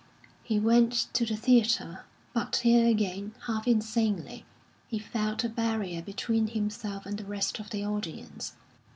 He went to the theatre, but here again, half insanely, he felt a barrier between himself and the rest of the audience.